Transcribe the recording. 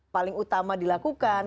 paling utama dilakukan